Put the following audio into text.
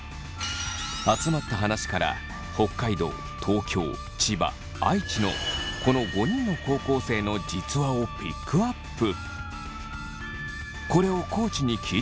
集まった話から北海道東京千葉愛知のこの５人の高校生の実話をピックアップ。